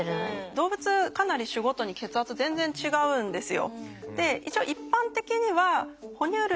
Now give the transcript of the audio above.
動物かなり種ごとに血圧全然違うんですよ。